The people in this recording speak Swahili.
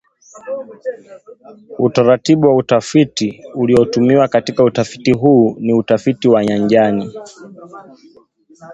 Utaratibu wa utafiti uliotumiwa katika utafiti huu ni utafiti wa nyanjani